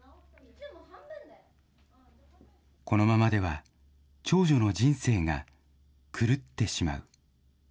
このままでは、長女の人生が狂ってしまう。